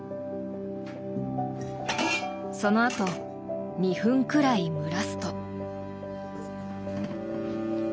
そのあと２分くらい蒸らすと。